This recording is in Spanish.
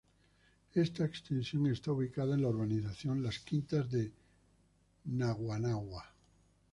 Esta extensión está ubicada en la Urbanización Las Quintas de Naguanagua.